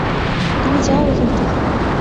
তুমি যাও এখান থেকে।